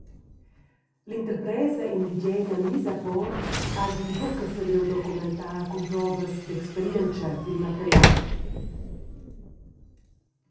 L’interpresa indigena Misapor hagi buca saviu documentar cumprovas d’experientscha dil material.